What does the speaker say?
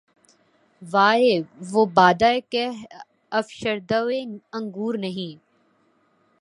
وائے! وہ بادہ کہ‘ افشردۂ انگور نہیں